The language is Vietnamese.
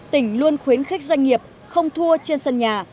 tỉnh luôn khuyến khích doanh nghiệp không thua trên sân nhà